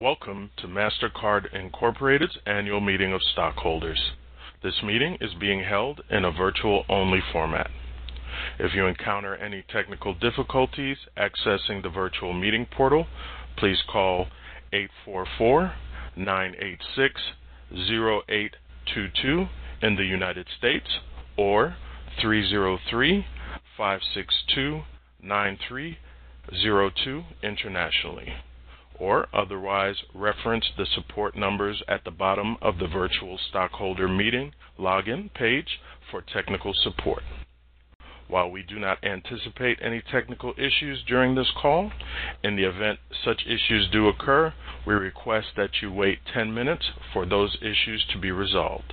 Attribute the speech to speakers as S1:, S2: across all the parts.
S1: Welcome to Mastercard Incorporated's annual meeting of stockholders. This meeting is being held in a virtual-only format. If you encounter any technical difficulties accessing the virtual meeting portal, please call 844-986-0822 in the United States or 303-562-9302 internationally, or otherwise reference the support numbers at the bottom of the virtual stockholder meeting login page for technical support. While we do not anticipate any technical issues during this call, in the event such issues do occur, we request that you wait 10 minutes for those issues to be resolved.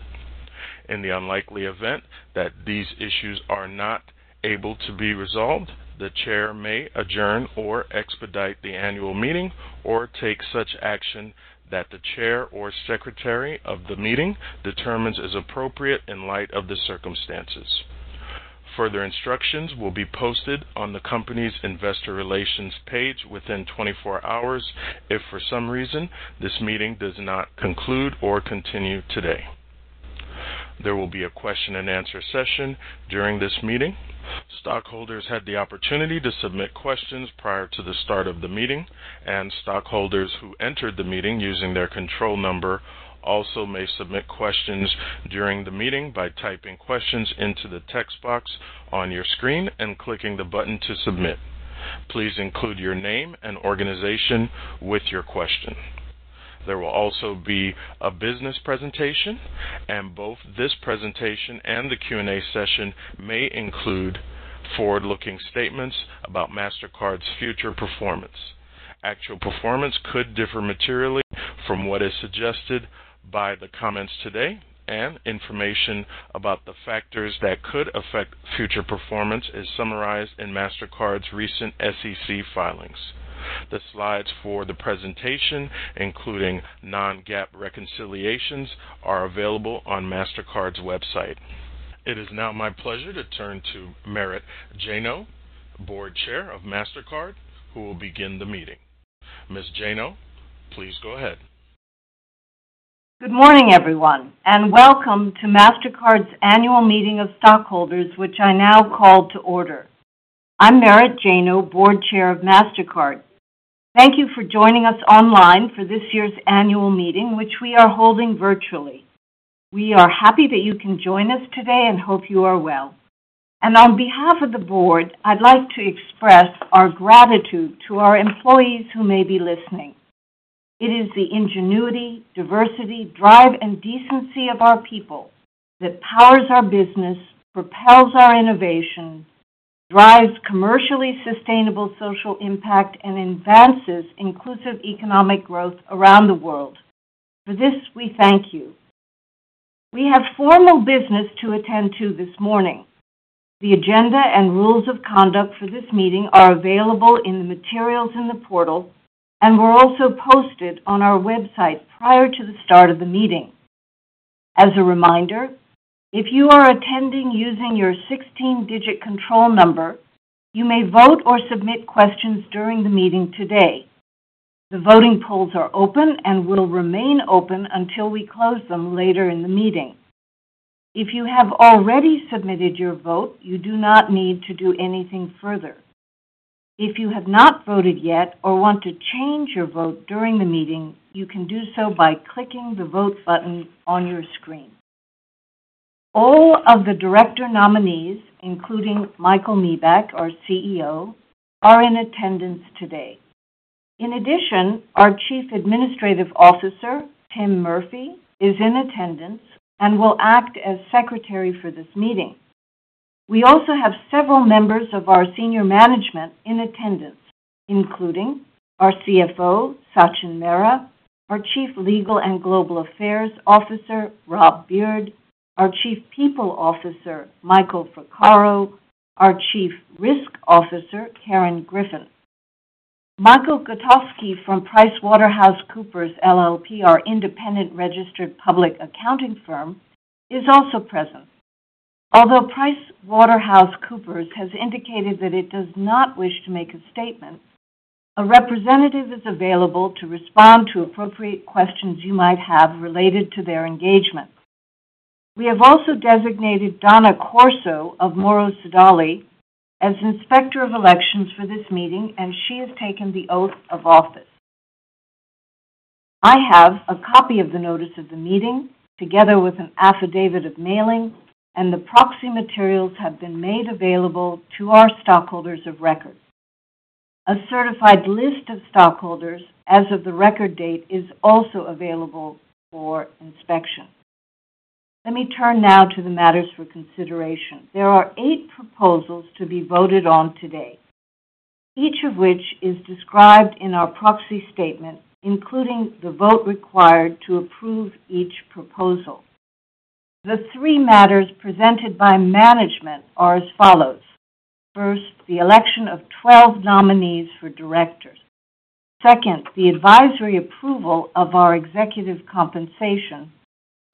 S1: In the unlikely event that these issues are not able to be resolved, the chair may adjourn or expedite the annual meeting or take such action that the chair or secretary of the meeting determines is appropriate in light of the circumstances. Further instructions will be posted on the company's investor relations page within 24 hours if, for some reason, this meeting does not conclude or continue today. There will be a question-and-answer session during this meeting. Stockholders had the opportunity to submit questions prior to the start of the meeting, and stockholders who entered the meeting using their control number also may submit questions during the meeting by typing questions into the text box on your screen and clicking the button to submit. Please include your name and organization with your question. There will also be a business presentation, and both this presentation and the Q&A session may include forward-looking statements about Mastercard's future performance. Actual performance could differ materially from what is suggested by the comments today, and information about the factors that could affect future performance is summarized in Mastercard's recent SEC filings. The slides for the presentation, including non-GAAP reconciliations, are available on Mastercard's website. It is now my pleasure to turn to Merit Janow, Board Chair of Mastercard, who will begin the meeting. Ms. Janow, please go ahead.
S2: Good morning, everyone, and welcome to Mastercard's annual meeting of stockholders, which I now call to order. I'm Merit Janow, Board Chair of Mastercard. Thank you for joining us online for this year's annual meeting, which we are holding virtually. We are happy that you can join us today and hope you are well. On behalf of the board, I'd like to express our gratitude to our employees who may be listening. It is the ingenuity, diversity, drive, and decency of our people that powers our business, propels our innovation, drives commercially sustainable social impact, and advances inclusive economic growth around the world. For this, we thank you. We have formal business to attend to this morning. The agenda and rules of conduct for this meeting are available in the materials in the portal, and were also posted on our website prior to the start of the meeting. As a reminder, if you are attending using your 16-digit control number, you may vote or submit questions during the meeting today. The voting polls are open and will remain open until we close them later in the meeting. If you have already submitted your vote, you do not need to do anything further. If you have not voted yet or want to change your vote during the meeting, you can do so by clicking the vote button on your screen. All of the director nominees, including Michael Miebach, our CEO, are in attendance today. In addition, our Chief Administrative Officer, Tim Murphy, is in attendance and will act as secretary for this meeting. We also have several members of our senior management in attendance, including our CFO, Sachin Mehra, our Chief Legal and Global Affairs Officer, Rob Beard, our Chief People Officer, Michael Fraccaro, our Chief Risk Officer, Karen Griffin. Michael Gutowski from PricewaterhouseCoopers, LLP, our independent registered public accounting firm, is also present. Although PricewaterhouseCoopers has indicated that it does not wish to make a statement, a representative is available to respond to appropriate questions you might have related to their engagement. We have also designated Donna Corso of Morrow Sodali as inspector of elections for this meeting, and she has taken the oath of office. I have a copy of the notice of the meeting together with an affidavit of mailing, and the proxy materials have been made available to our stockholders of record. A certified list of stockholders as of the record date is also available for inspection. Let me turn now to the matters for consideration. There are eight proposals to be voted on today, each of which is described in our proxy statement, including the vote required to approve each proposal. The three matters presented by management are as follows. First, the election of 12 nominees for directors. Second, the advisory approval of our executive compensation.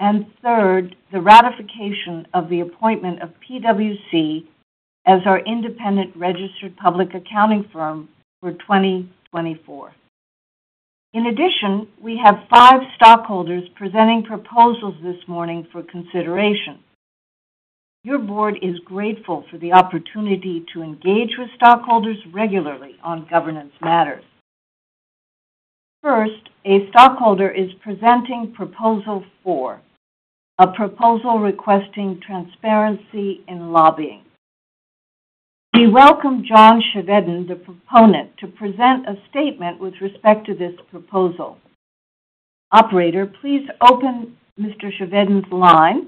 S2: And third, the ratification of the appointment of PwC as our independent registered public accounting firm for 2024. In addition, we have five stockholders presenting proposals this morning for consideration. Your board is grateful for the opportunity to engage with stockholders regularly on governance matters. First, a stockholder is presenting proposal four, a proposal requesting transparency in lobbying. We welcome John Chevedden, the proponent, to present a statement with respect to this proposal. Operator, please open Mr. Chevedden's line.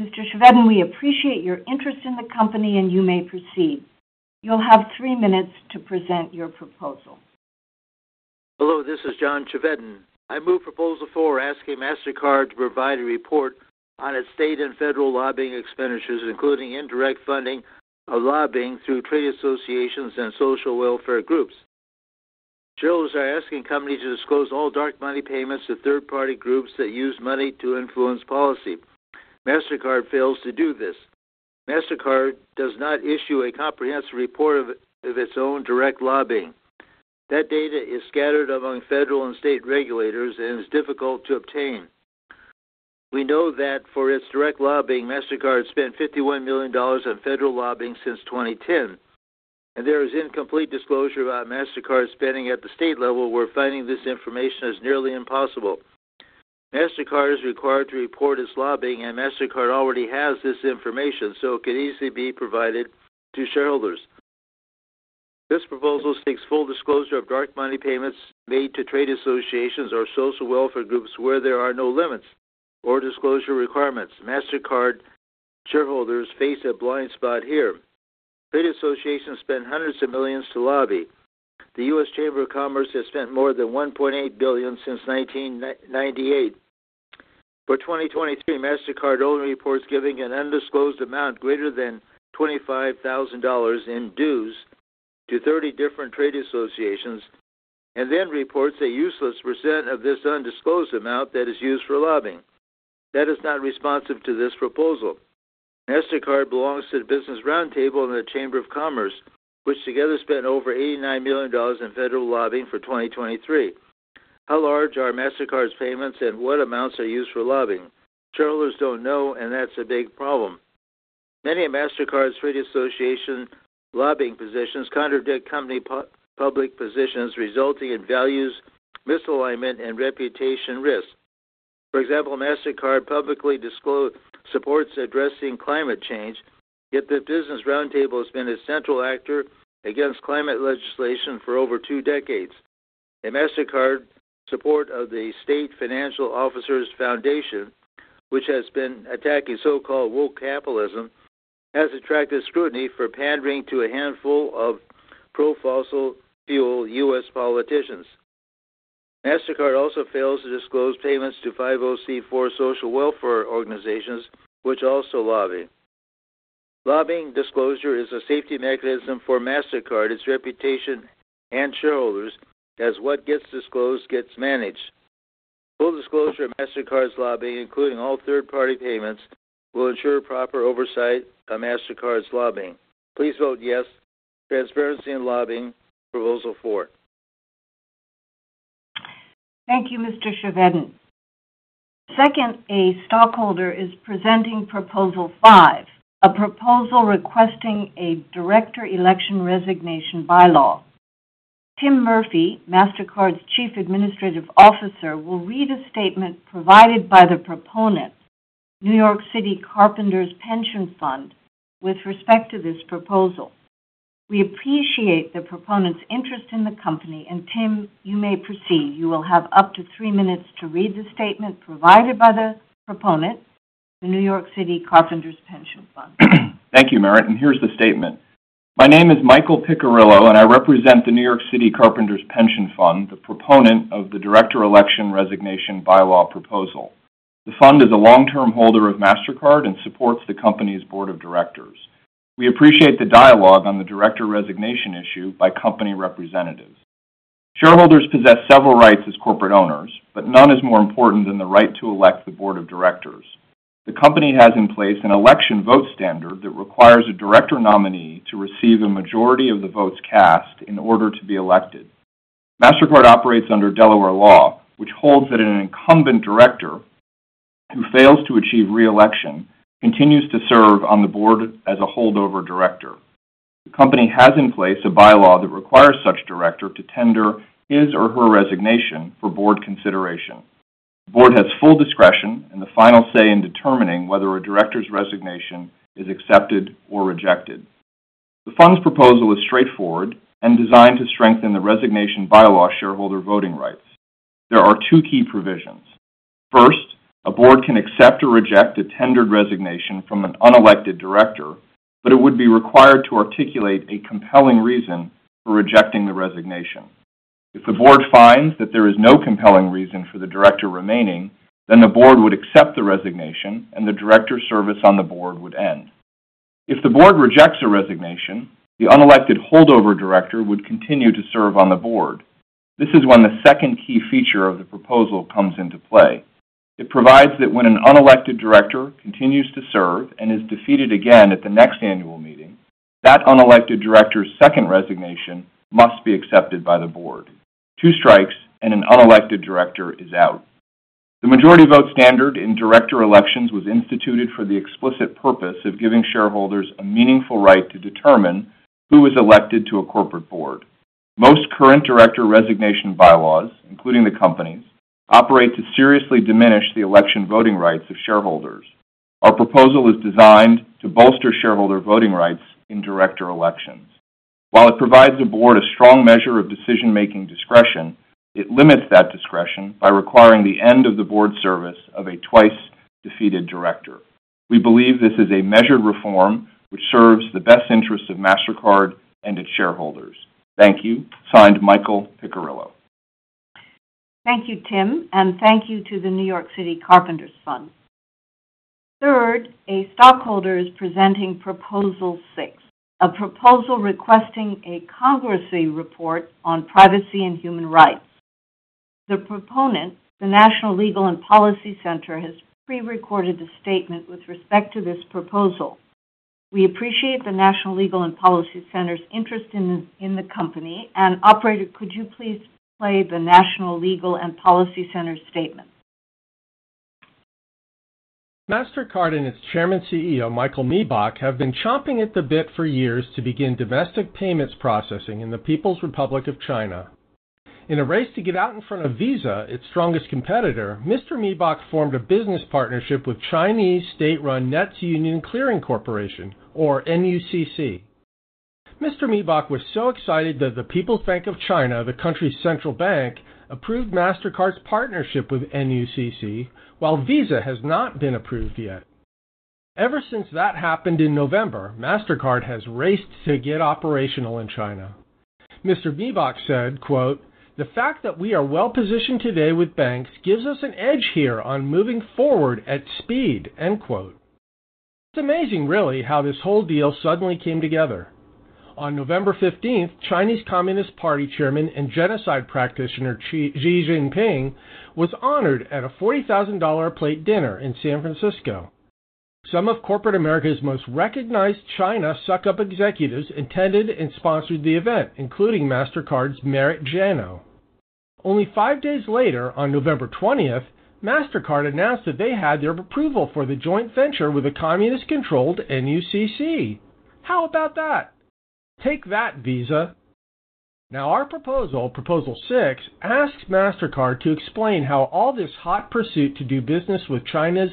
S2: Mr. Chevedden, we appreciate your interest in the company, and you may proceed. You'll have three minutes to present your proposal. Hello, this is John Chevedden. I move proposal four asking Mastercard to provide a report on its state and federal lobbying expenditures, including indirect funding of lobbying through trade associations and social welfare groups. We are asking companies to disclose all dark money payments to third-party groups that use money to influence policy. Mastercard fails to do this. Mastercard does not issue a comprehensive report of its own direct lobbying. That data is scattered among federal and state regulators and is difficult to obtain. We know that for its direct lobbying, Mastercard spent $51 million on federal lobbying since 2010, and there is incomplete disclosure about Mastercard spending at the state level, where finding this information is nearly impossible. Mastercard is required to report its lobbying, and Mastercard already has this information, so it could easily be provided to shareholders. This proposal seeks full disclosure of dark money payments made to trade associations or social welfare groups where there are no limits or disclosure requirements. Mastercard shareholders face a blind spot here. Trade associations spend hundreds of millions to lobby. The U.S. Chamber of Commerce has spent more than $1.8 billion since 1998. For 2023, Mastercard only reports giving an undisclosed amount greater than $25,000 in dues to 30 different trade associations and then reports a useless % of this undisclosed amount that is used for lobbying. That is not responsive to this proposal. Mastercard belongs to the Business Roundtable in the Chamber of Commerce, which together spent over $89 million in federal lobbying for 2023. How large are Mastercard's payments and what amounts are used for lobbying? Shareholders don't know, and that's a big problem. Many of Mastercard's trade association lobbying positions contradict company public positions, resulting in values misalignment and reputation risks. For example, Mastercard publicly supports addressing climate change, yet the Business Roundtable has been a central actor against climate legislation for over two decades. Mastercard's support of the State Financial Officers Foundation, which has been attacking so-called woke capitalism, has attracted scrutiny for pandering to a handful of pro-fossil fuel U.S. politicians. Mastercard also fails to disclose payments to 504 social welfare organizations, which also lobby. Lobbying disclosure is a safety mechanism for Mastercard, its reputation, and shareholders, as what gets disclosed gets managed. Full disclosure of Mastercard's lobbying, including all third-party payments, will ensure proper oversight of Mastercard's lobbying. Please vote yes, transparency in lobbying, proposal four. Thank you, Mr. Chevedden. Second, a stockholder is presenting proposal five, a proposal requesting a director election resignation by-law. Tim Murphy, Mastercard's Chief Administrative Officer, will read a statement provided by the proponent, New York City Carpenters Pension Fund, with respect to this proposal. We appreciate the proponent's interest in the company, and Tim, you may proceed. You will have up to three minutes to read the statement provided by the proponent, the New York City Carpenters Pension Fund.
S3: Thank you, Merit. Here's the statement. My name is Michael Piccirillo, and I represent the New York City Carpenters Pension Fund, the proponent of the director election resignation by-law proposal. The fund is a long-term holder of Mastercard and supports the company's board of directors. We appreciate the dialogue on the director resignation issue by company representatives. Shareholders possess several rights as corporate owners, but none is more important than the right to elect the board of directors. The company has in place an election vote standard that requires a director nominee to receive a majority of the votes cast in order to be elected. Mastercard operates under Delaware law, which holds that an incumbent director who fails to achieve reelection continues to serve on the board as a holdover director. The company has in place a by-law that requires such director to tender his or her resignation for board consideration. The board has full discretion and the final say in determining whether a director's resignation is accepted or rejected. The fund's proposal is straightforward and designed to strengthen the resignation by-law shareholder voting rights. There are two key provisions. First, a board can accept or reject a tendered resignation from an unelected director, but it would be required to articulate a compelling reason for rejecting the resignation. If the board finds that there is no compelling reason for the director remaining, then the board would accept the resignation and the director's service on the board would end. If the board rejects a resignation, the unelected holdover director would continue to serve on the board. This is when the second key feature of the proposal comes into play. It provides that when an unelected director continues to serve and is defeated again at the next annual meeting, that unelected director's second resignation must be accepted by the board. Two strikes and an unelected director is out. The majority vote standard in director elections was instituted for the explicit purpose of giving shareholders a meaningful right to determine who is elected to a corporate board. Most current director resignation by-laws, including the company's, operate to seriously diminish the election voting rights of shareholders. Our proposal is designed to bolster shareholder voting rights in director elections. While it provides the board a strong measure of decision-making discretion, it limits that discretion by requiring the end of the board service of a twice-defeated director. We believe this is a measured reform which serves the best interests of Mastercard and its shareholders. Thank you. Signed, Michael Piccirillo.
S2: Thank you, Tim, and thank you to the New York City Carpenters Pension Fund. Third, a stockholder is presenting proposal six, a proposal requesting a congruency report on privacy and human rights. The proponent, the National Legal and Policy Center, has prerecorded a statement with respect to this proposal. We appreciate the National Legal and Policy Center's interest in the company. Operator, could you please play the National Legal and Policy Center statement?
S4: Mastercard and its chairman CEO, Michael Miebach, have been chomping at the bit for years to begin domestic payments processing in the People's Republic of China. In a race to get out in front of Visa, its strongest competitor, Mr. Miebach formed a business partnership with Chinese state-run NetsUnion Clearing Corporation, or NUCC. Mr. Miebach was so excited that the People's Bank of China, the country's central bank, approved Mastercard's partnership with NUCC, while Visa has not been approved yet. Ever since that happened in November, Mastercard has raced to get operational in China. Mr. Miebach said, "The fact that we are well positioned today with banks gives us an edge here on moving forward at speed." It's amazing, really, how this whole deal suddenly came together. On November 15th, Chinese Communist Party Chairman and genocide practitioner Xi Jinping was honored at a $40,000 plate dinner in San Francisco. Some of corporate America's most recognized China suck-up executives attended and sponsored the event, including Mastercard's Merit Janow. Only five days later, on November 20th, Mastercard announced that they had their approval for the joint venture with a communist-controlled NUCC. How about that? Take that, Visa. Now, our proposal, proposal six, asks Mastercard to explain how all this hot pursuit to do business with China's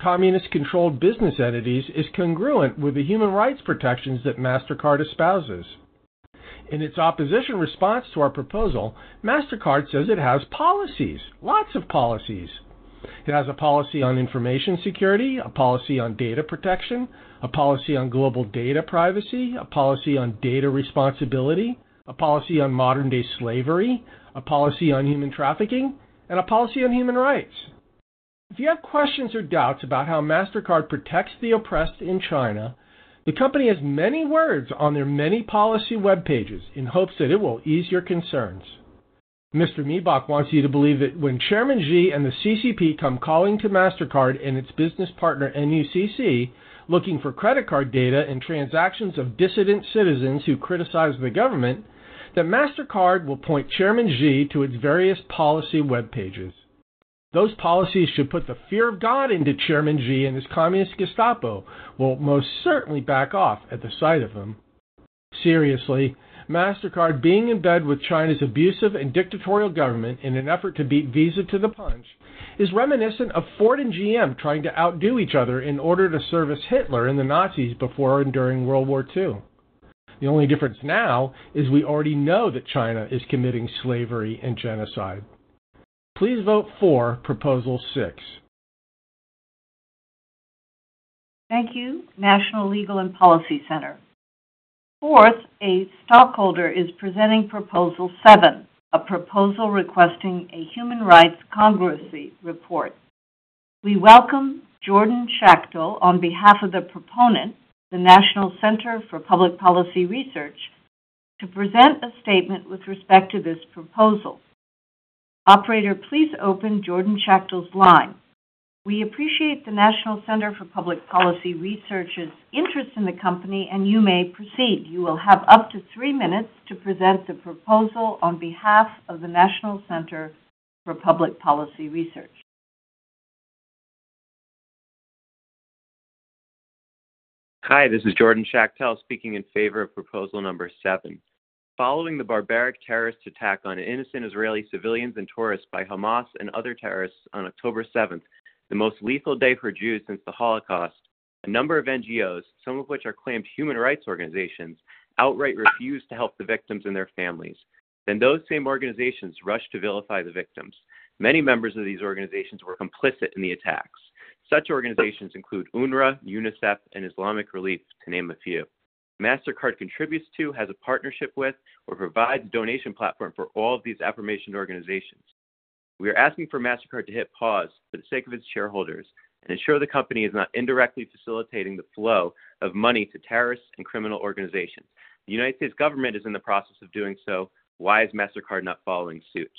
S4: communist-controlled business entities is congruent with the human rights protections that Mastercard espouses. In its opposition response to our proposal, Mastercard says it has policies, lots of policies. It has a policy on information security, a policy on data protection, a policy on global data privacy, a policy on data responsibility, a policy on modern-day slavery, a policy on human trafficking, and a policy on human rights. If you have questions or doubts about how Mastercard protects the oppressed in China, the company has many words on their many policy web pages in hopes that it will ease your concerns. Mr. Miebach wants you to believe that when Chairman Xi and the CCP come calling to Mastercard and its business partner NUCC looking for credit card data and transactions of dissident citizens who criticize the government, that Mastercard will point Chairman Xi to its various policy web pages. Those policies should put the fear of God into Chairman Xi, and his communist Gestapo will most certainly back off at the sight of them. Seriously, Mastercard being in bed with China's abusive and dictatorial government in an effort to beat Visa to the punch is reminiscent of Ford and GM trying to outdo each other in order to service Hitler and the Nazis before and during World War II. The only difference now is we already know that China is committing slavery and genocide. Please vote for proposal six.
S2: Thank you, National Legal and Policy Center. 4th, a stockholder is presenting proposal seven, a proposal requesting a human rights congruency report. We welcome Jordan Schachtel on behalf of the proponent, the National Center for Public Policy Research, to present a statement with respect to this proposal. Operator, please open Jordan Schachtel's line. We appreciate the National Center for Public Policy Research's interest in the company, and you may proceed. You will have up to three minutes to present the proposal on behalf of the National Center for Public Policy Research.
S5: Hi, this is Jordan Schachtel, speaking in favor of proposal number 7. Following the barbaric terrorist attack on innocent Israeli civilians and tourists by Hamas and other terrorists on October 7th, the most lethal day for Jews since the Holocaust, a number of NGOs, some of which are claimed human rights organizations, outright refused to help the victims and their families. Then those same organizations rushed to vilify the victims. Many members of these organizations were complicit in the attacks. Such organizations include UNRWA, UNICEF, and Islamic Relief, to name a few. Mastercard contributes to, has a partnership with, or provides a donation platform for all of these affirmation organizations. We are asking for Mastercard to hit pause for the sake of its shareholders and ensure the company is not indirectly facilitating the flow of money to terrorists and criminal organizations. The United States government is in the process of doing so. Why is Mastercard not following suit?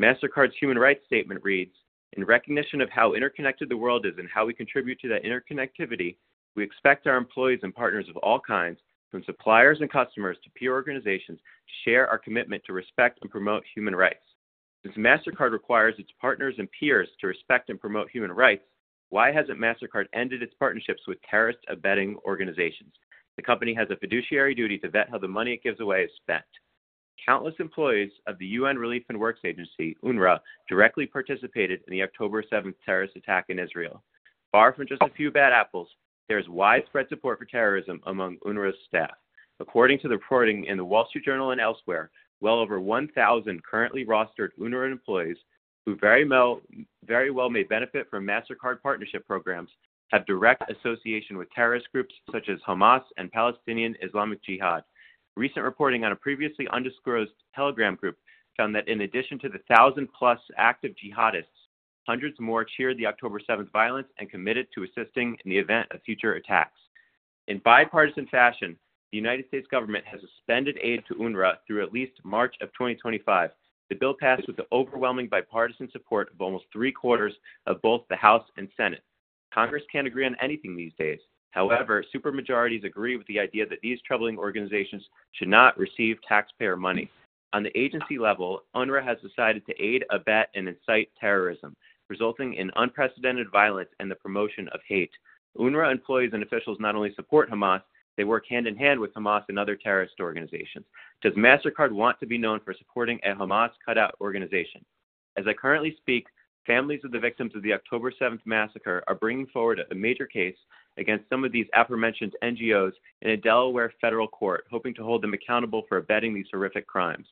S5: Mastercard's human rights statement reads, "In recognition of how interconnected the world is and how we contribute to that interconnectivity, we expect our employees and partners of all kinds, from suppliers and customers to peer organizations, to share our commitment to respect and promote human rights. Since Mastercard requires its partners and peers to respect and promote human rights, why hasn't Mastercard ended its partnerships with terrorist abetting organizations? The company has a fiduciary duty to vet how the money it gives away is spent. Countless employees of the United Nations Relief and Works Agency, UNRWA, directly participated in the October 7th terrorist attack in Israel. Far from just a few bad apples, there is widespread support for terrorism among UNRWA staff. According to the reporting in The Wall Street Journal and elsewhere, well over 1,000 currently rostered UNRWA employees who very well may benefit from Mastercard partnership programs have direct association with terrorist groups such as Hamas and Palestinian Islamic Jihad. Recent reporting on a previously undisclosed Telegram group found that in addition to the 1,000-plus active jihadists, hundreds more cheered the October 7th violence and committed to assisting in the event of future attacks. In bipartisan fashion, the United States government has suspended aid to UNRWA through at least March of 2025. The bill passed with the overwhelming bipartisan support of almost three quarters of both the House and Senate. Congress can't agree on anything these days. However, supermajorities agree with the idea that these troubling organizations should not receive taxpayer money. On the agency level, UNRWA has decided to aid, abet, and incite terrorism, resulting in unprecedented violence and the promotion of hate. UNRWA employees and officials not only support Hamas, they work hand in hand with Hamas and other terrorist organizations. Does Mastercard want to be known for supporting a Hamas-cut-out organization? As I currently speak, families of the victims of the October seventh massacre are bringing forward a major case against some of these aforementioned NGOs in a Delaware federal court, hoping to hold them accountable for abetting these horrific crimes.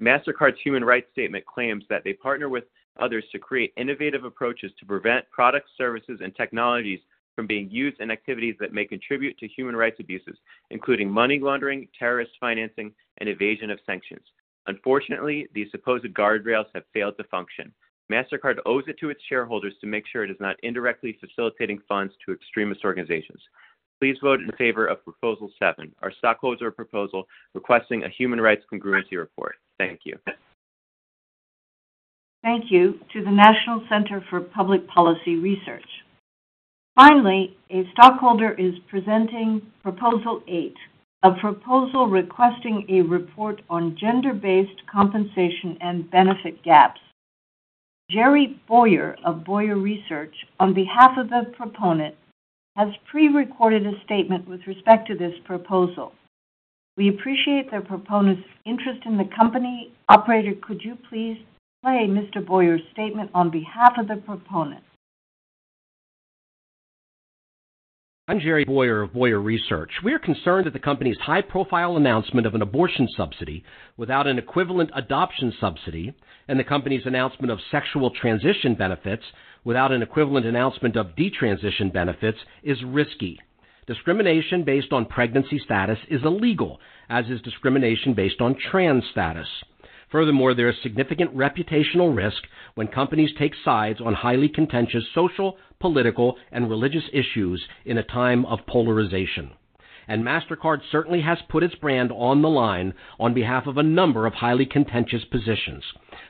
S5: Mastercard's human rights statement claims that they partner with others to create innovative approaches to prevent products, services, and technologies from being used in activities that may contribute to human rights abuses, including money laundering, terrorist financing, and evasion of sanctions. Unfortunately, these supposed guardrails have failed to function. Mastercard owes it to its shareholders to make sure it is not indirectly facilitating funds to extremist organizations. Please vote in favor of proposal seven, our stockholder proposal requesting a human rights congruency report. Thank you.
S2: Thank you to the National Center for Public Policy Research. Finally, a stockholder is presenting proposal eight, a proposal requesting a report on gender-based compensation and benefit gaps. Jerry Boyer of Boyer Research, on behalf of the proponent, has prerecorded a statement with respect to this proposal. We appreciate the proponent's interest in the company. Operator, could you please play Mr. Boyer's statement on behalf of the proponent?
S6: I'm Jerry Boyer of Boyer Research. We are concerned that the company's high-profile announcement of an abortion subsidy without an equivalent adoption subsidy and the company's announcement of sexual transition benefits without an equivalent announcement of detransition benefits is risky. Discrimination based on pregnancy status is illegal, as is discrimination based on trans status. Furthermore, there is significant reputational risk when companies take sides on highly contentious social, political, and religious issues in a time of polarization. Mastercard certainly has put its brand on the line on behalf of a number of highly contentious positions,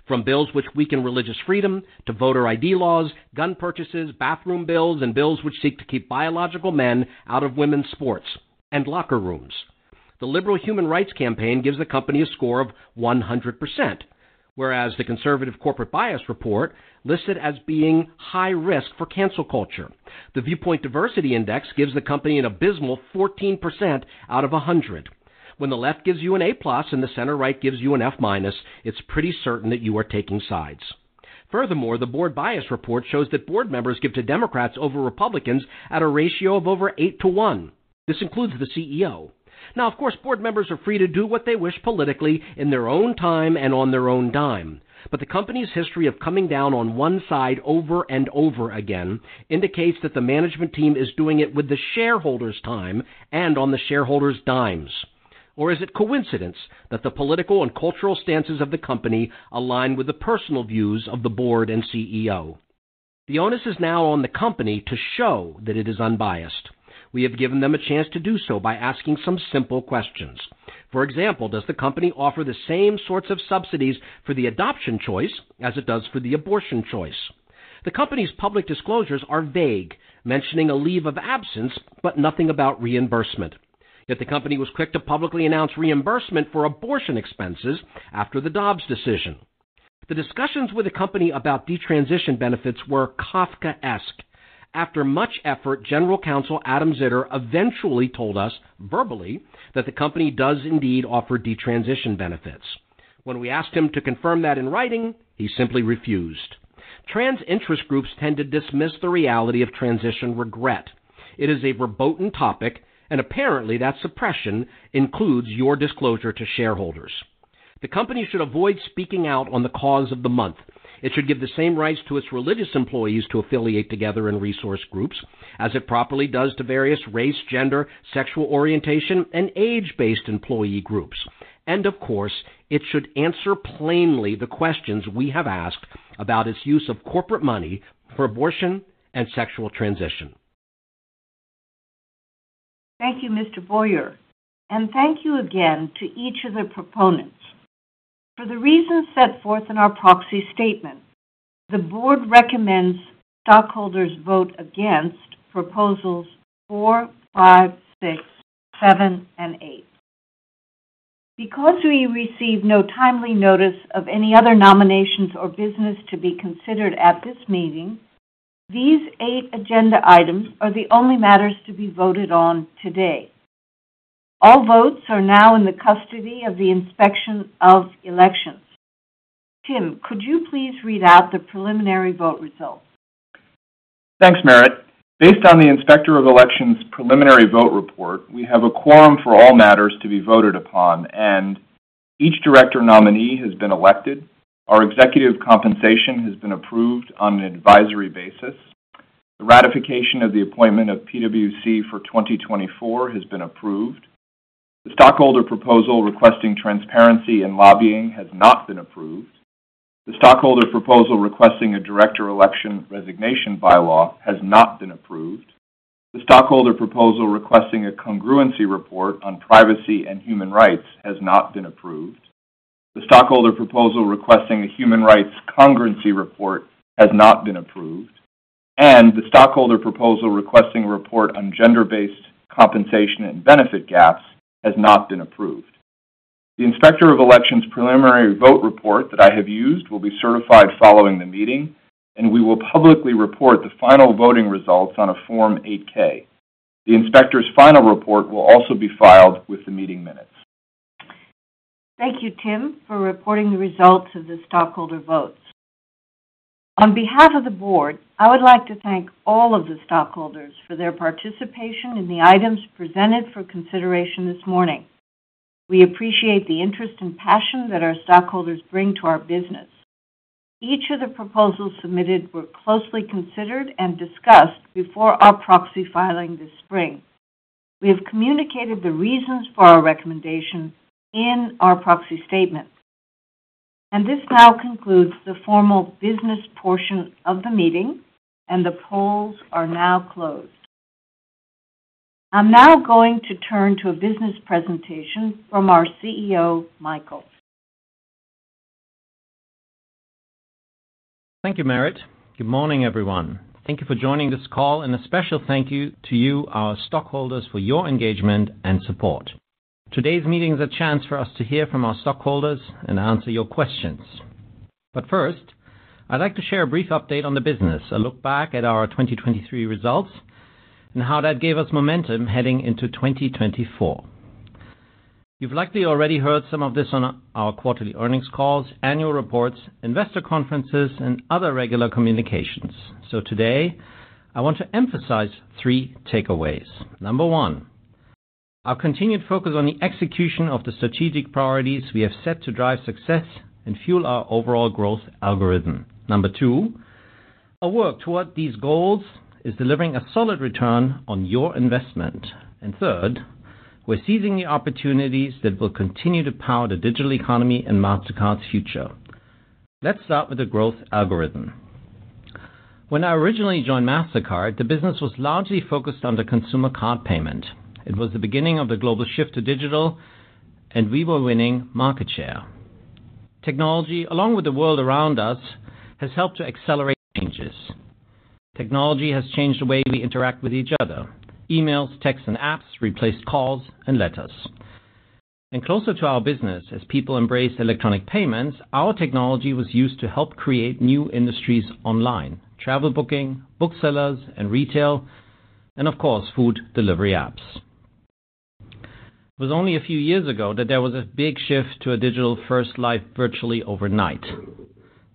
S6: from bills which weaken religious freedom to voter ID laws, gun purchases, bathroom bills, and bills which seek to keep biological men out of women's sports and locker rooms. The liberal Human Rights Campaign gives the company a score of 100%, whereas the conservative corporate bias report lists it as being high risk for cancel culture. The Viewpoint Diversity Index gives the company an abysmal 14% out of 100. When the left gives you an A-plus and the center right gives you an F-minus, it's pretty certain that you are taking sides. Furthermore, the board bias report shows that board members give to Democrats over Republicans at a ratio of over eight to one. This includes the CEO. Now, of course, board members are free to do what they wish politically in their own time and on their own dime, but the company's history of coming down on one side over and over again indicates that the management team is doing it with the shareholders' time and on the shareholders' dimes. Or is it coincidence that the political and cultural stances of the company align with the personal views of the board and CEO? The onus is now on the company to show that it is unbiased. We have given them a chance to do so by asking some simple questions. For example, does the company offer the same sorts of subsidies for the adoption choice as it does for the abortion choice? The company's public disclosures are vague, mentioning a leave of absence, but nothing about reimbursement. Yet the company was quick to publicly announce reimbursement for abortion expenses after the Dobbs decision. The discussions with the company about detransition benefits were Kafkaesque. After much effort, General Counsel Adam Zitter eventually told us verbally that the company does indeed offer detransition benefits. When we asked him to confirm that in writing, he simply refused. Trans interest groups tend to dismiss the reality of transition regret. It is a verboten topic, and apparently that suppression includes your disclosure to shareholders. The company should avoid speaking out on the cause of the month. It should give the same rights to its religious employees to affiliate together in resource groups, as it properly does to various race, gender, sexual orientation, and age-based employee groups. And of course, it should answer plainly the questions we have asked about its use of corporate money for abortion and sexual transition.
S2: Thank you, Mr. Boyer. Thank you again to each of the proponents. For the reasons set forth in our proxy statement, the board recommends stockholders vote against proposals four, five, six, seven, and eight. Because we received no timely notice of any other nominations or business to be considered at this meeting, these eight agenda items are the only matters to be voted on today. All votes are now in the custody of the Inspector of Elections. Tim, could you please read out the preliminary vote result?
S3: Thanks, Merit. Based on the inspector of elections preliminary vote report, we have a quorum for all matters to be voted upon, and each director nominee has been elected. Our executive compensation has been approved on an advisory basis. The ratification of the appointment of PwC for 2024 has been approved. The stockholder proposal requesting transparency and lobbying has not been approved. The stockholder proposal requesting a director election resignation bylaw has not been approved. The stockholder proposal requesting a congruency report on privacy and human rights has not been approved. The stockholder proposal requesting a human rights congruency report has not been approved. The stockholder proposal requesting a report on gender-based compensation and benefit gaps has not been approved. The Inspector of Elections preliminary vote report that I have used will be certified following the meeting, and we will publicly report the final voting results on a Form 8-K. The Inspector's final report will also be filed with the meeting minutes.
S2: Thank you, Tim, for reporting the results of the stockholder votes. On behalf of the board, I would like to thank all of the stockholders for their participation in the items presented for consideration this morning. We appreciate the interest and passion that our stockholders bring to our business. Each of the proposals submitted were closely considered and discussed before our proxy filing this spring. We have communicated the reasons for our recommendation in our proxy statement. This now concludes the formal business portion of the meeting, and the polls are now closed. I'm now going to turn to a business presentation from our CEO, Michael.
S7: Thank you, Merit. Good morning, everyone. Thank you for joining this call, and a special thank you to you, our stockholders, for your engagement and support. Today's meeting is a chance for us to hear from our stockholders and answer your questions. But first, I'd like to share a brief update on the business, a look back at our 2023 results, and how that gave us momentum heading into 2024. You've likely already heard some of this on our quarterly earnings calls, annual reports, investor conferences, and other regular communications. So today, I want to emphasize three takeaways. Number one, our continued focus on the execution of the strategic priorities we have set to drive success and fuel our overall growth algorithm. Number two, our work toward these goals is delivering a solid return on your investment. And third, we're seizing the opportunities that will continue to power the digital economy and Mastercard's future. Let's start with the growth algorithm. When I originally joined Mastercard, the business was largely focused on the consumer card payment. It was the beginning of the global shift to digital, and we were winning market share. Technology, along with the world around us, has helped to accelerate changes. Technology has changed the way we interact with each other. Emails, texts, and apps replaced calls and letters. And closer to our business, as people embraced electronic payments, our technology was used to help create new industries online: travel booking, booksellers, and retail, and of course, food delivery apps. It was only a few years ago that there was a big shift to a digital-first life virtually overnight.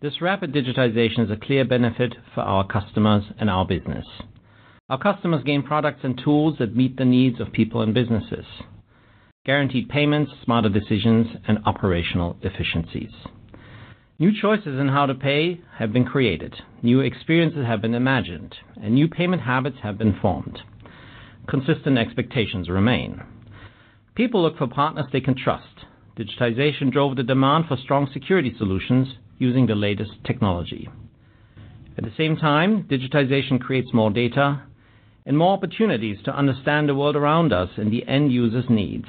S7: This rapid digitization is a clear benefit for our customers and our business. Our customers gain products and tools that meet the needs of people and businesses: guaranteed payments, smarter decisions, and operational efficiencies. New choices in how to pay have been created. New experiences have been imagined, and new payment habits have been formed. Consistent expectations remain. People look for partners they can trust. Digitization drove the demand for strong security solutions using the latest technology. At the same time, digitization creates more data and more opportunities to understand the world around us and the end user's needs.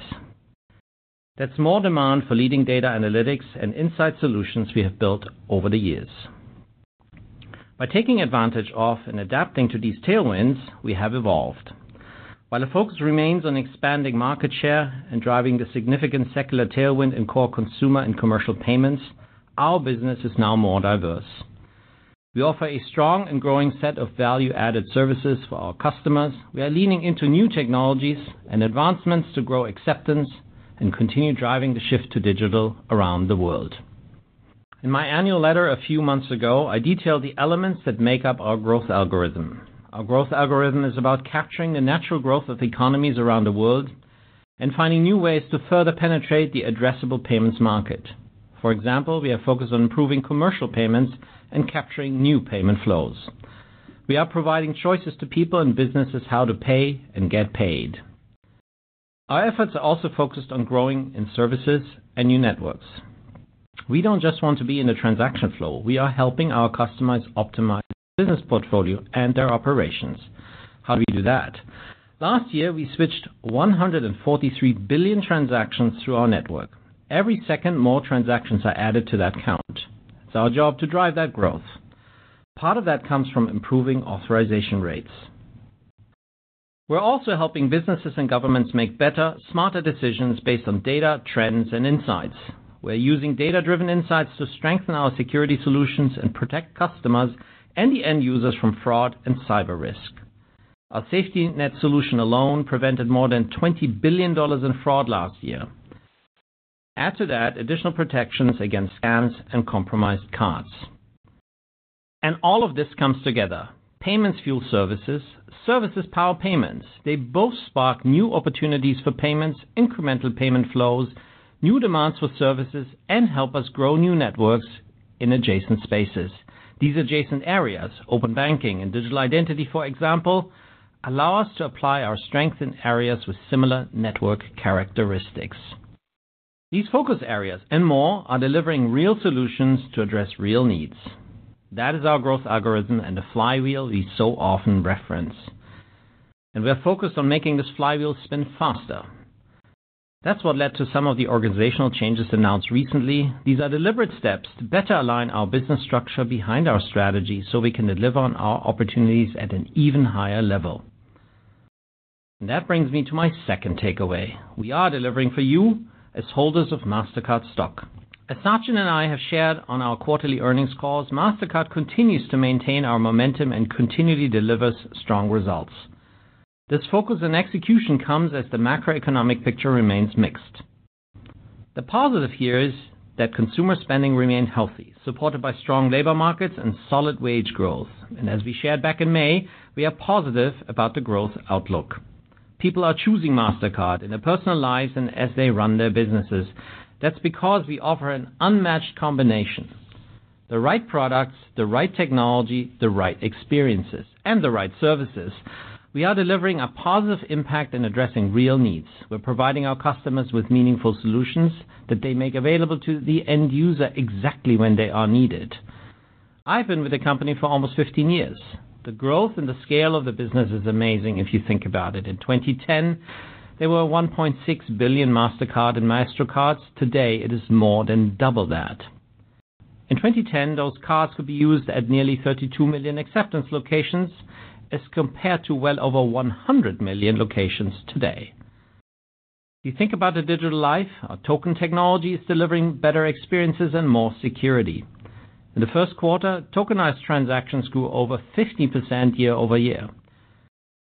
S7: That's more demand for leading data analytics and insight solutions we have built over the years. By taking advantage of and adapting to these tailwinds, we have evolved. While the focus remains on expanding market share and driving the significant secular tailwind and core consumer and commercial payments, our business is now more diverse. We offer a strong and growing set of value-added services for our customers. We are leaning into new technologies and advancements to grow acceptance and continue driving the shift to digital around the world. In my annual letter a few months ago, I detailed the elements that make up our growth algorithm. Our growth algorithm is about capturing the natural growth of economies around the world and finding new ways to further penetrate the addressable payments market. For example, we are focused on improving commercial payments and capturing new payment flows. We are providing choices to people and businesses how to pay and get paid. Our efforts are also focused on growing in services and new networks. We don't just want to be in a transaction flow. We are helping our customers optimize their business portfolio and their operations. How do we do that? Last year, we switched 143 billion transactions through our network. Every second, more transactions are added to that count. It's our job to drive that growth. Part of that comes from improving authorization rates. We're also helping businesses and governments make better, smarter decisions based on data, trends, and insights. We're using data-driven insights to strengthen our security solutions and protect customers and the end users from fraud and cyber risk. Our Safety Net solution alone prevented more than $20 billion in fraud last year. Add to that additional protections against scams and compromised cards. All of this comes together. Payments fuel services. Services power payments. They both spark new opportunities for payments, incremental payment flows, new demands for services, and help us grow new networks in adjacent spaces. These adjacent areas, open banking and digital identity, for example, allow us to apply our strength in areas with similar network characteristics. These focus areas and more are delivering real solutions to address real needs. That is our growth algorithm and the flywheel we so often reference. And we're focused on making this flywheel spin faster. That's what led to some of the organizational changes announced recently. These are deliberate steps to better align our business structure behind our strategy so we can deliver on our opportunities at an even higher level. And that brings me to my second takeaway. We are delivering for you as holders of Mastercard stock. As Sachin and I have shared on our quarterly earnings calls, Mastercard continues to maintain our momentum and continually delivers strong results. This focus on execution comes as the macroeconomic picture remains mixed. The positive here is that consumer spending remains healthy, supported by strong labor markets and solid wage growth. As we shared back in May, we are positive about the growth outlook. People are choosing Mastercard in their personal lives and as they run their businesses. That's because we offer an unmatched combination: the right products, the right technology, the right experiences, and the right services. We are delivering a positive impact and addressing real needs. We're providing our customers with meaningful solutions that they make available to the end user exactly when they are needed. I've been with the company for almost 15 years. The growth and the scale of the business is amazing if you think about it. In 2010, there were 1.6 billion Mastercard and Maestro cards. Today, it is more than double that. In 2010, those cards could be used at nearly 32 million acceptance locations as compared to well over 100 million locations today. You think about a digital life, our token technology is delivering better experiences and more security. In the first quarter, tokenized transactions grew over 50% year-over-year.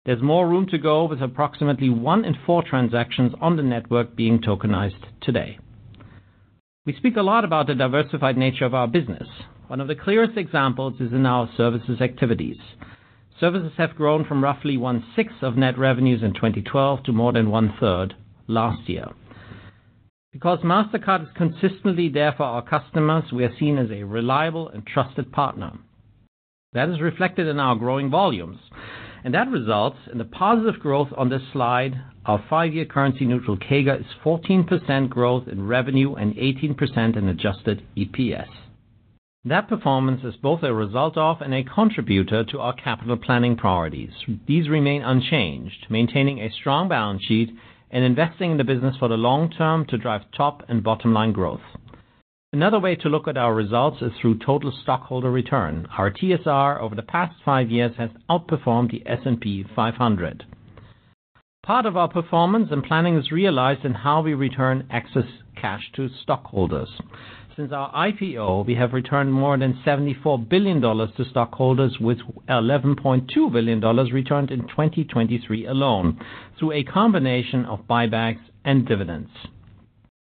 S7: There's more room to go with approximately one in four transactions on the network being tokenized today. We speak a lot about the diversified nature of our business. One of the clearest examples is in our services activities. Services have grown from roughly one sixth of net revenues in 2012 to more than one third last year. Because Mastercard is consistently there for our customers, we are seen as a reliable and trusted partner. That is reflected in our growing volumes. That results in the positive growth on this slide. Our five-year currency-neutral CAGR is 14% growth in revenue and 18% in adjusted EPS. That performance is both a result of and a contributor to our capital planning priorities. These remain unchanged, maintaining a strong balance sheet and investing in the business for the long term to drive top and bottom line growth. Another way to look at our results is through total stockholder return. Our TSR over the past five years has outperformed the S&P 500. Part of our performance and planning is realized in how we return excess cash to stockholders. Since our IPO, we have returned more than $74 billion to stockholders, with $11.2 billion returned in 2023 alone through a combination of buybacks and dividends.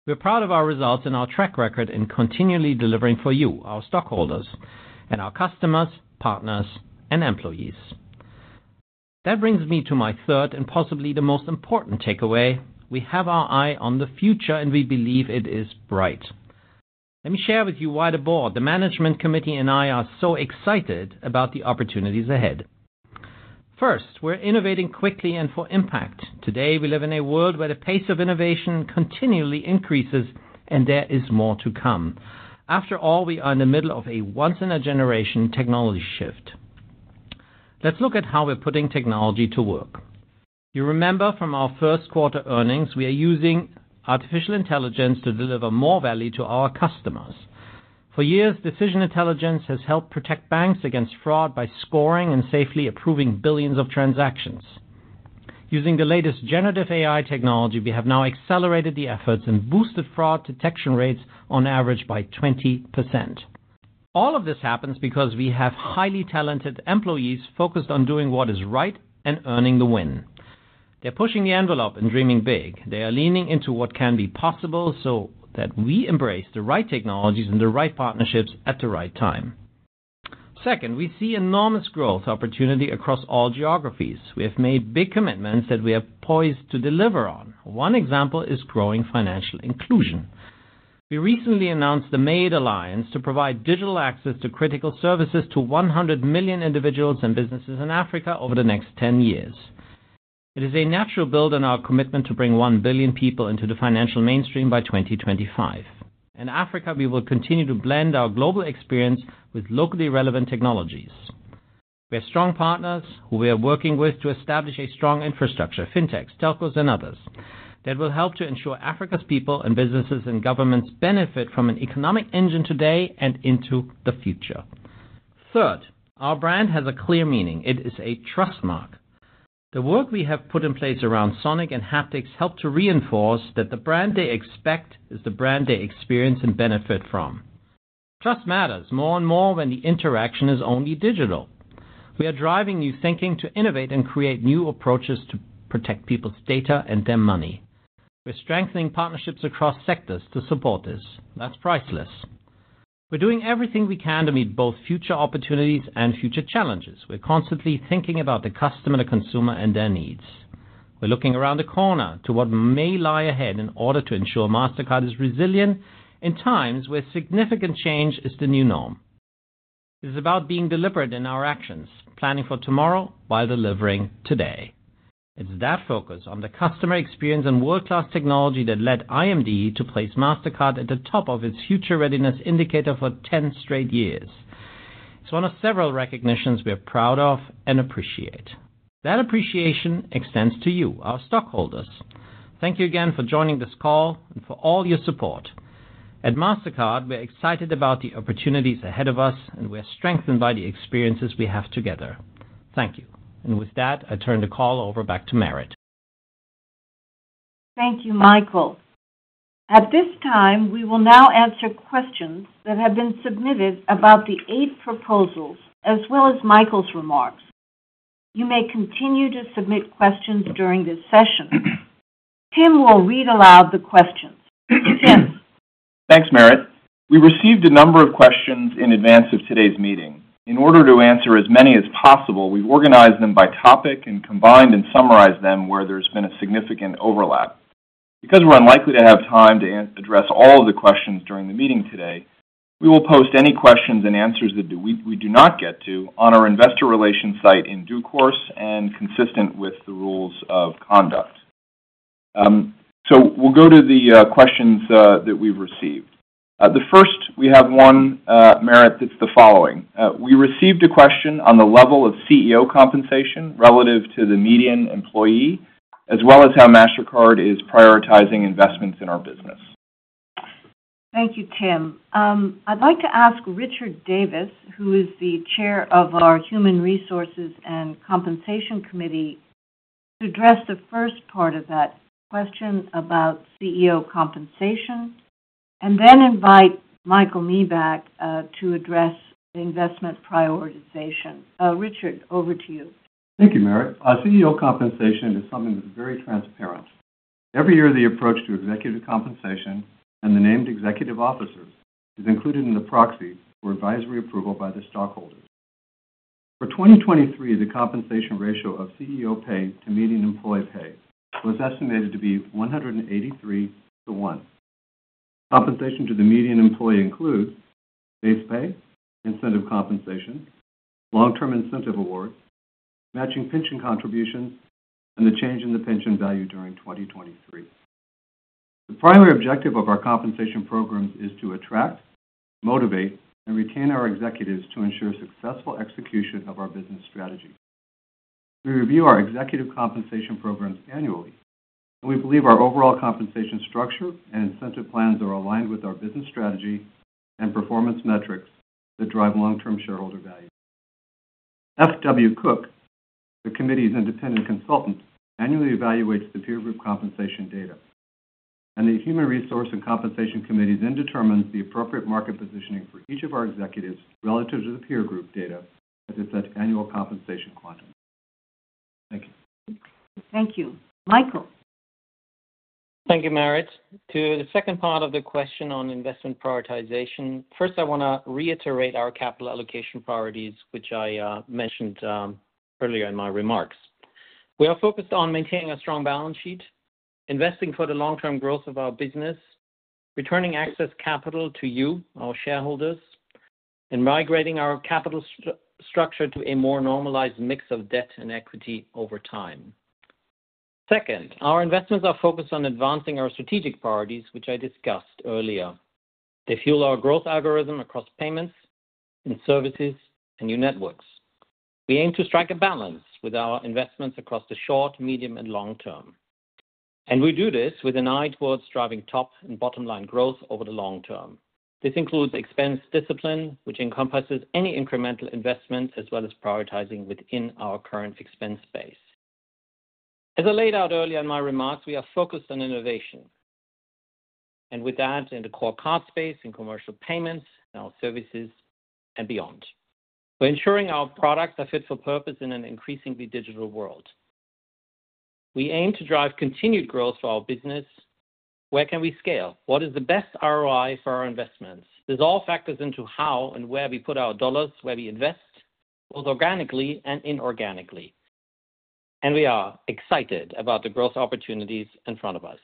S7: We're proud of our results and our track record in continually delivering for you, our stockholders, and our customers, partners, and employees. That brings me to my third and possibly the most important takeaway. We have our eye on the future, and we believe it is bright. Let me share with you why the board, the management committee, and I are so excited about the opportunities ahead. First, we're innovating quickly and for impact. Today, we live in a world where the pace of innovation continually increases, and there is more to come. After all, we are in the middle of a once-in-a-generation technology shift. Let's look at how we're putting technology to work. You remember from our first quarter earnings, we are using artificial intelligence to deliver more value to our customers. For years, Decision Intelligence has helped protect banks against fraud by scoring and safely approving billions of transactions. Using the latest Generative AI technology, we have now accelerated the efforts and boosted fraud detection rates on average by 20%. All of this happens because we have highly talented employees focused on doing what is right and earning the win. They're pushing the envelope and dreaming big. They are leaning into what can be possible so that we embrace the right technologies and the right partnerships at the right time. Second, we see enormous growth opportunity across all geographies. We have made big commitments that we are poised to deliver on. One example is growing financial inclusion. We recently announced the MADE Alliance to provide digital access to critical services to 100 million individuals and businesses in Africa over the next 10 years. It is a natural build on our commitment to bring one billion people into the financial mainstream by 2025. In Africa, we will continue to blend our global experience with locally relevant technologies. We have strong partners who we are working with to establish a strong infrastructure: fintechs, telcos, and others that will help to ensure Africa's people and businesses and governments benefit from an economic engine today and into the future. Third, our brand has a clear meaning. It is a trust mark. The work we have put in place around Sonic and Haptics helped to reinforce that the brand they expect is the brand they experience and benefit from. Trust matters more and more when the interaction is only digital. We are driving new thinking to innovate and create new approaches to protect people's data and their money. We're strengthening partnerships across sectors to support this. That's priceless. We're doing everything we can to meet both future opportunities and future challenges. We're constantly thinking about the customer, the consumer, and their needs. We're looking around the corner to what may lie ahead in order to ensure Mastercard is resilient in times where significant change is the new norm. It is about being deliberate in our actions, planning for tomorrow while delivering today. It's that focus on the customer experience and world-class technology that led IMD to place Mastercard at the top of its Future Readiness Indicator for 10 straight years. It's one of several recognitions we are proud of and appreciate. That appreciation extends to you, our stockholders. Thank you again for joining this call and for all your support. At Mastercard, we're excited about the opportunities ahead of us, and we're strengthened by the experiences we have together. Thank you. And with that, I turn the call over back to Merit.
S2: Thank you, Michael. At this time, we will now answer questions that have been submitted about the 8 proposals, as well as Michael's remarks. You may continue to submit questions during this session. Tim will read aloud the questions. Tim.
S3: Thanks, Merit. We received a number of questions in advance of today's meeting. In order to answer as many as possible, we've organized them by topic and combined and summarized them where there's been a significant overlap. Because we're unlikely to have time to address all of the questions during the meeting today, we will post any questions and answers that we do not get to on our investor relations site in due course and consistent with the rules of conduct. So we'll go to the questions that we've received. The first, we have one, Merit, that's the following. We received a question on the level of CEO compensation relative to the median employee, as well as how Mastercard is prioritizing investments in our business.
S2: Thank you, Tim. I'd like to ask Richard Davis, who is the chair of our Human Resources and Compensation Committee, to address the first part of that question about CEO compensation and then invite Michael Miebach to address investment prioritization. Richard, over to you.
S8: Thank you, Merit. CEO compensation is something that's very transparent. Every year, the approach to executive compensation and the named executive officers is included in the proxy for advisory approval by the stockholders. For 2023, the compensation ratio of CEO pay to median employee pay was estimated to be 183-to-1. Compensation to the median employee includes base pay, incentive compensation, long-term incentive awards, matching pension contributions, and the change in the pension value during 2023. The primary objective of our compensation programs is to attract, motivate, and retain our executives to ensure successful execution of our business strategy. We review our executive compensation programs annually, and we believe our overall compensation structure and incentive plans are aligned with our business strategy and performance metrics that drive long-term shareholder value. F.W. Cook, the committee's independent consultant, annually evaluates the peer group compensation data, and the Human Resources and Compensation Committee then determines the appropriate market positioning for each of our executives relative to the peer group data as it sets annual compensation quantum. Thank you.
S2: Thank you. Michael.
S7: Thank you, Merit. To the second part of the question on investment prioritization, first, I want to reiterate our capital allocation priorities, which I mentioned earlier in my remarks. We are focused on maintaining a strong balance sheet, investing for the long-term growth of our business, returning excess capital to you, our shareholders, and migrating our capital structure to a more normalized mix of debt and equity over time. Second, our investments are focused on advancing our strategic priorities, which I discussed earlier. They fuel our growth algorithm across payments and services and new networks. We aim to strike a balance with our investments across the short, medium, and long term. We do this with an eye towards driving top and bottom line growth over the long term. This includes expense discipline, which encompasses any incremental investment as well as prioritizing within our current expense space. As I laid out earlier in my remarks, we are focused on innovation. With that, in the core card space, in commercial payments, in our services, and beyond. We're ensuring our products are fit for purpose in an increasingly digital world. We aim to drive continued growth for our business. Where can we scale? What is the best ROI for our investments? This all factors into how and where we put our dollars, where we invest, both organically and inorganically. And we are excited about the growth opportunities in front of us.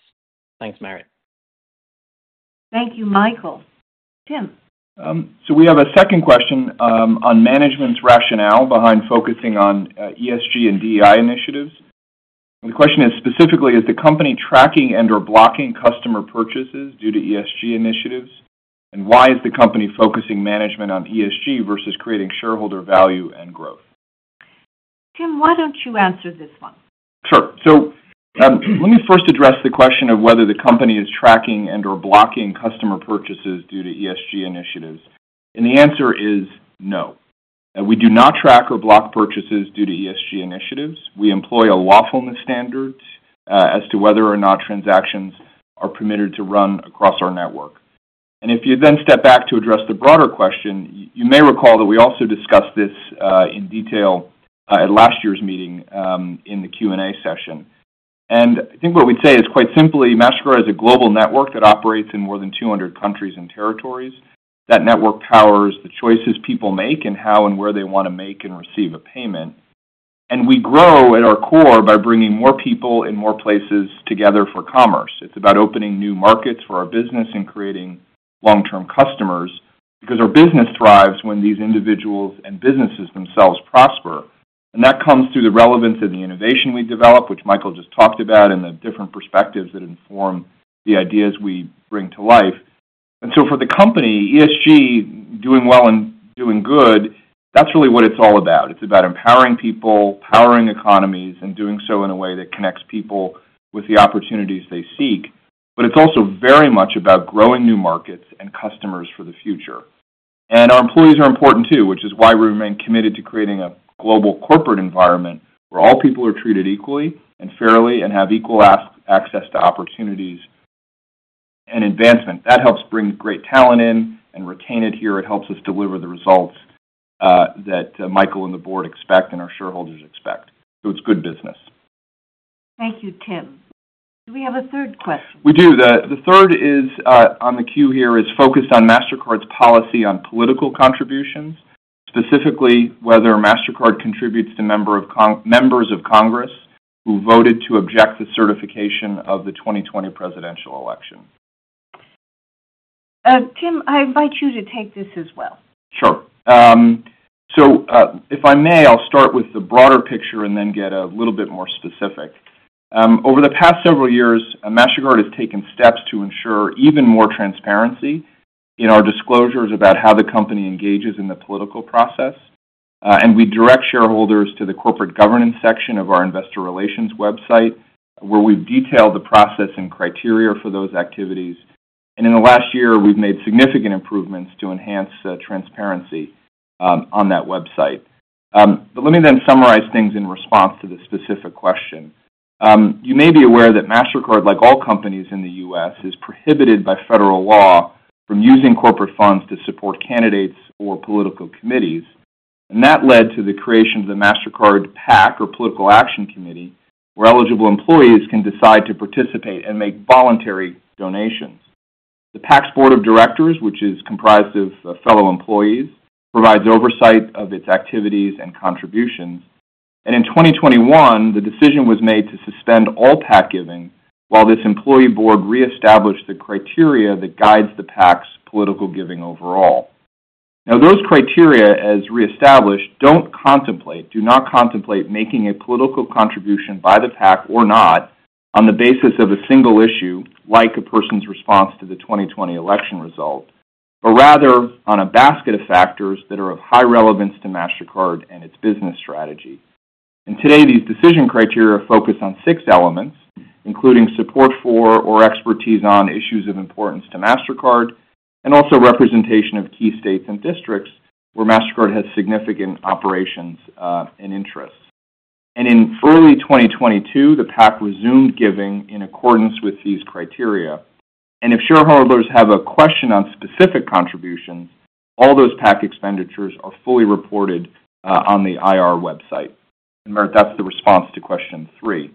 S7: Thanks, Merit.\
S2: Thank you, Michael. Tim.
S3: So we have a second question on management's rationale behind focusing on ESG and DEI initiatives. The question is specifically, is the company tracking and/or blocking customer purchases due to ESG initiatives? And why is the company focusing management on ESG versus creating shareholder value and growth?
S2: Tim, why don't you answer this one?
S3: Sure. So let me first address the question of whether the company is tracking and/or blocking customer purchases due to ESG initiatives. The answer is no. We do not track or block purchases due to ESG initiatives. We employ a lawfulness standard as to whether or not transactions are permitted to run across our network. If you then step back to address the broader question, you may recall that we also discussed this in detail at last year's meeting in the Q&A session. I think what we'd say is quite simply, Mastercard is a global network that operates in more than 200 countries and territories. That network powers the choices people make and how and where they want to make and receive a payment. We grow at our core by bringing more people in more places together for commerce. It's about opening new markets for our business and creating long-term customers because our business thrives when these individuals and businesses themselves prosper. That comes through the relevance of the innovation we develop, which Michael just talked about, and the different perspectives that inform the ideas we bring to life. For the company, ESG, doing well and doing good, that's really what it's all about. It's about empowering people, powering economies, and doing so in a way that connects people with the opportunities they seek. But it's also very much about growing new markets and customers for the future. Our employees are important too, which is why we remain committed to creating a global corporate environment where all people are treated equally and fairly and have equal access to opportunities and advancement. That helps bring great talent in and retain it here. It helps us deliver the results that Michael and the board expect and our shareholders expect. It's good business.
S2: Thank you, Tim. Do we have a third question?
S3: We do. The third on the queue here is focused on Mastercard's policy on political contributions, specifically whether Mastercard contributes to members of Congress who voted to object to certification of the 2020 presidential election.
S2: Tim, I invite you to take this as well.
S3: Sure. So if I may, I'll start with the broader picture and then get a little bit more specific. Over the past several years, Mastercard has taken steps to ensure even more transparency in our disclosures about how the company engages in the political process. We direct shareholders to the corporate governance section of our investor relations website, where we've detailed the process and criteria for those activities. In the last year, we've made significant improvements to enhance transparency on that website. But let me then summarize things in response to the specific question. You may be aware that Mastercard, like all companies in the U.S., is prohibited by federal law from using corporate funds to support candidates or political committees. That led to the creation of the Mastercard PAC, or Political Action Committee, where eligible employees can decide to participate and make voluntary donations. The PAC's board of directors, which is comprised of fellow employees, provides oversight of its activities and contributions. In 2021, the decision was made to suspend all PAC giving while this employee board reestablished the criteria that guides the PAC's political giving overall. Now, those criteria, as reestablished, do not contemplate making a political contribution by the PAC or not on the basis of a single issue, like a person's response to the 2020 election result, but rather on a basket of factors that are of high relevance to Mastercard and its business strategy. And today, these decision criteria focus on six elements, including support for or expertise on issues of importance to Mastercard, and also representation of key states and districts where Mastercard has significant operations and interests. And in early 2022, the PAC resumed giving in accordance with these criteria. And if shareholders have a question on specific contributions, all those PAC expenditures are fully reported on the IR website. And Merit, that's the response to question three.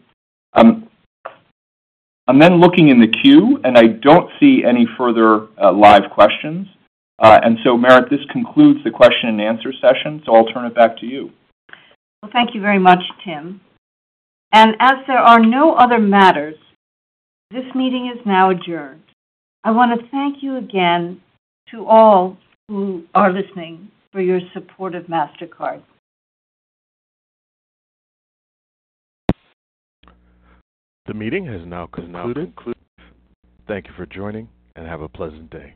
S3: I'm then looking in the queue, and I don't see any further live questions. And so, Merit, this concludes the question-and-answer session. So I'll turn it back to you.
S2: Well, thank you very much, Tim. And as there are no other matters, this meeting is now adjourned. I want to thank you again to all who are listening for your support of Mastercard.
S7: The meeting has now concluded. Thank you for joining, and have a pleasant day.